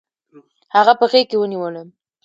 هغه په غېږ کې ونیولم.